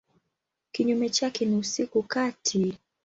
Kinyume chake ni usiku kati.